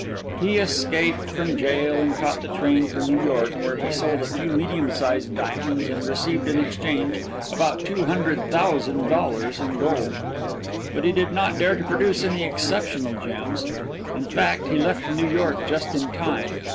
He escaped from jail and caught the train for New York, where he sold a few medium sized diamonds and received in exchange about two hundred thousand dollars in gold. But he did not dare to produce any exceptional gems in fact, he left New York just in time.